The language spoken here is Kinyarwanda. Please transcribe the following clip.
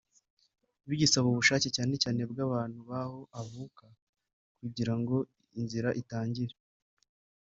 bigisaba ubushake cyane cyane bw’abantu b’aho avuka kugira ngo inzira itangire